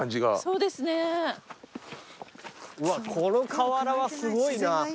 うわこの河原はすごいな。